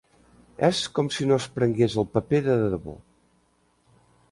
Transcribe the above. És com si no es prengués el paper de debò.